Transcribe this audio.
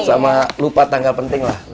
sama lupa tangga penting lah